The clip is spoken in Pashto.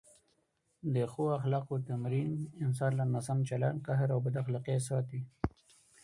د ښو اخلاقو تمرین انسان له ناسم چلند، قهر او بد اخلاقۍ ساتي.